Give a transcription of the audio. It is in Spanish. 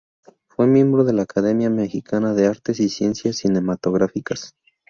Fue miembro de la Academia Mexicana de Artes y Ciencias Cinematográficas.